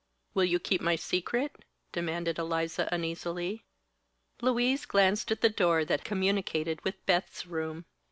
"Will you keep my secret?" demanded Eliza, uneasily. Louise glanced at the door that communicated with Beth's room.